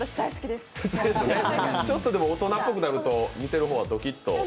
でもちょっと大人っぽくなると見てる方はドキッと。